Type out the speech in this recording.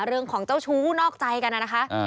เรื่องของเจ้าชู้นอกใจกันนะนะคะ